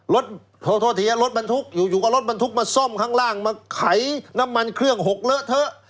โทษทีรถบรรทุกอยู่ก็รถบรรทุกมาซ่อมข้างล่างมาไขน้ำมันเครื่องหกเลอะเถอะ